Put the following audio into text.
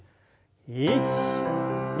１２。